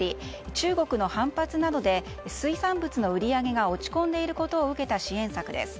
中国の反発などで水産物の売り上げが落ち込んでいることを受けた支援策です。